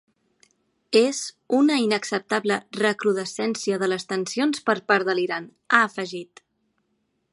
És una inacceptable recrudescència de les tensions per part de l’Iran, ha afegit.